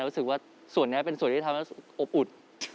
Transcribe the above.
รู้สึกว่าส่วนนี้เป็นส่วนที่ทำให้อบอุ่น